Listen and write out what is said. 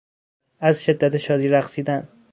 از شدت شادی رقصیدن